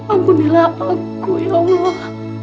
ampunilah aku ya allah